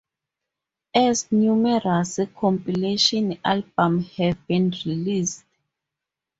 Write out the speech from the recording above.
Also, numerous compilation albums have been released.